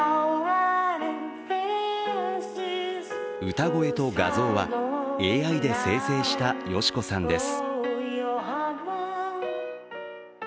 歌声と画像はＡＩで生成した敏子さんです。